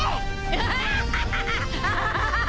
アハハハハ！